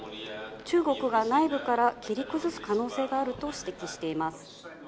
中国が内部から切り崩す可能性があると指摘しています。